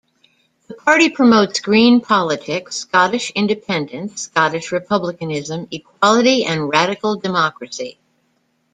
The party promotes green politics, Scottish independence, Scottish republicanism, equality and radical democracy.